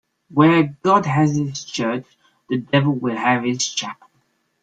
Where God has his church, the devil will have his chapel.